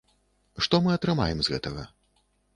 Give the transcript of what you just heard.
Што мы атрымаем з гэтага?